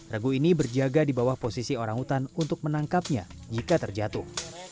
regu ini berjaga di bawah posisi orang hutan untuk menangkapnya jika terjatuh